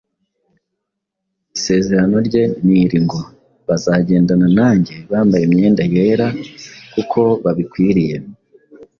isezerano rye ni iri ngo: “bazagendana nanjye bambaye imyenda yera, kuko babikwiriye